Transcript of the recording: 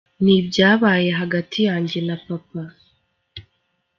Ni ibyabaye hagati yanjye na papa.